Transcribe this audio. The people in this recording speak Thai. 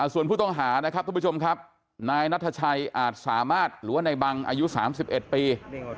ส่วนผู้ต้องหานะครับทุกผู้ชมครับนายนัทชัยอาจสามารถหรือว่าในบังอายุ๓๑ปี